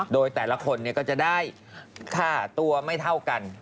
โดยแต่ละคนก็จะได้ค่าตัวไม่เท่ากัน